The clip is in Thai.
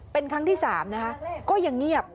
เป็นครั้งที่๓นะคะก็ยังเงียบ